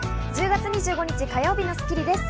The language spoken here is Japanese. １０月２５日、火曜日の『スッキリ』です。